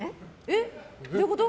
どういうこと？